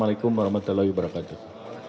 wa'alaikumussalam warahmatullahi wabarakatuh